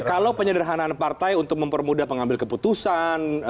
kalau penyederhanaan partai untuk mempermudah pengambil keputusan